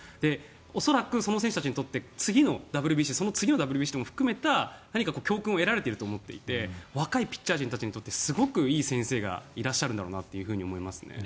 恐らくその選手たちにとって次のＷＢＣ、そのＷＢＣも含めた何か教訓を得られていると思っていて若いピッチャー陣たちにとってすごくいい先生がいらっしゃるんだろうと思います。